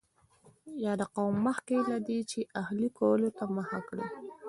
یاد قوم مخکې له دې چې اهلي کولو ته مخه کړي